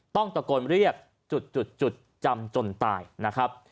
ต้องตะโกนเรียกจุดจำจนตายนะครับ